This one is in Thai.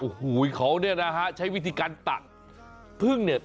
โอ้โหเขาเนี่ยนะฮะใช้วิธีการตัดพึ่งเนี่ย